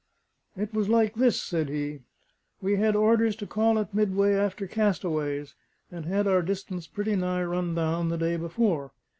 "It was like this," said he. "We had orders to call at Midway after castaways, and had our distance pretty nigh run down the day before.